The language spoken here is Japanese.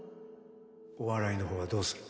お笑いのほうはどうする？